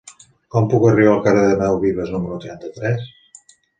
Com puc arribar al carrer d'Amadeu Vives número trenta-tres?